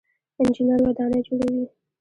انجنیر ودانۍ جوړوي.